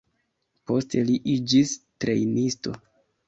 Poste li iĝis trejnisto.